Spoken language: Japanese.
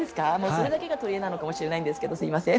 それだけが取り柄なのかもしれないですがすみません。